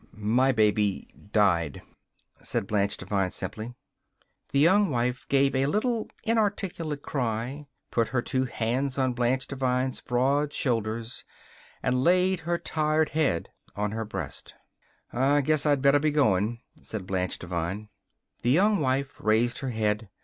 "My baby died," said Blanche Devine simply. The Young Wife gave a little inarticulate cry, put her two hands on Blanche Devine's broad shoulders, and laid her tired head on her breast. "I guess I'd better be going," said Blanche Devine. The Young Wife raised her head.